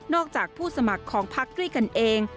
นอกจากผู้สมัครของภักษณ์ด้วยกันเอง